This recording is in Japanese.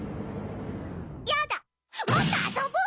やだもっとあそぶ！